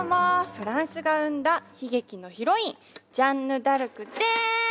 フランスが生んだ悲劇のヒロインジャンヌ・ダルクです！